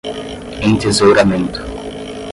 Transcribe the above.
Entesouramento